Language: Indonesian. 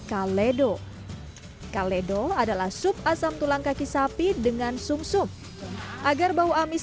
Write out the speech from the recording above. kaledo kaledo adalah sup asam tulang kaki sapi dengan sum sum agar bau amis